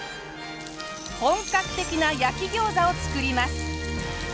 本格的な焼き餃子を作ります。